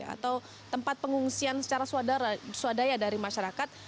atau tempat pengungsian secara swadaya dari masyarakat